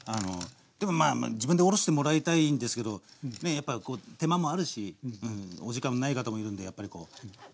でもまあ自分でおろしてもらいたいんですけどねやっぱ手間もあるしお時間もない方もいるんでやっぱりこう。